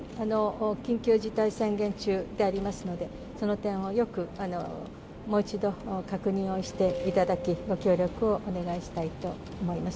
緊急事態宣言中でありますので、その点をよくもう一度確認をしていただき、ご協力をお願いしたいと思います。